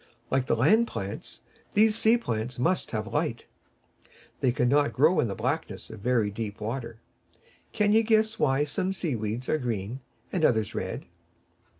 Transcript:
Like the land plants, these sea plants must have light. They cannot grow in the blackness of very deep water. Can you guess why some sea weeds are green and others red?